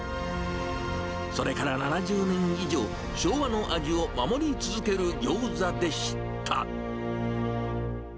それから７０年以上、昭和の味を守り続けるギョーザでした。